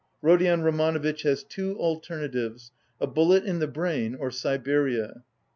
Rodion Romanovitch has two alternatives: a bullet in the brain or Siberia."